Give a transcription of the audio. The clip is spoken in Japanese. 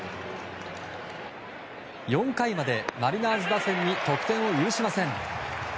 ４回までマリナーズ打線に得点を許しません。